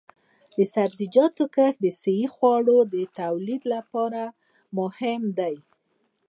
د سبزیجاتو کښت د صحي خوړو د تولید لپاره مهم دی.